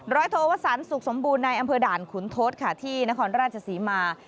โทวสันสุขสมบูรณ์ในอำเภอด่านขุนทศค่ะที่นครราชศรีมา